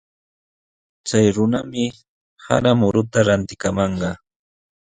Chay runami sara muruta rantikamanqa.